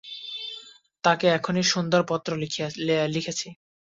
তাঁকে একখানি সুন্দর পত্র লিখেছি।